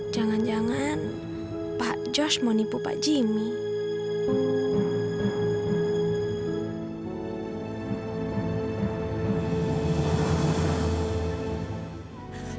jangan jangan pak jos mau nipu pak jimmy